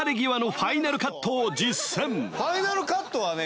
ファイナルカットはね